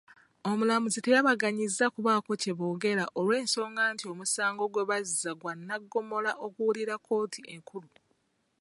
Omulamuzi tabaganyizza kubaako kyeboogera olw'ensonga nti omusango gwe bazza gwa Nnaggomola oguwulirwa kkooti enkulu.